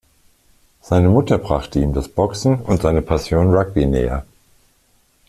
Seine Mutter brachte ihm das Boxen und seine Passion Rugby näher.